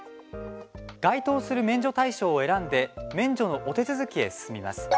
該当する免除対象を選んで免除のお手続きへ進みます。